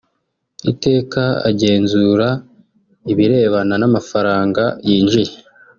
Iteka agenzura ibirebana n’amafaranga yinjiye